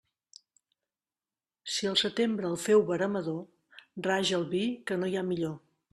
Si el setembre el féu veremador, raja el vi, que no hi ha millor.